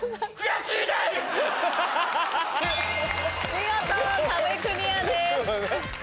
見事壁クリアです。